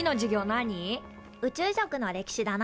宇宙食の歴史だな。